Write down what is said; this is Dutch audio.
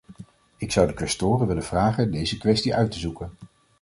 Ik zou de quaestoren willen vragen deze kwestie uit te zoeken.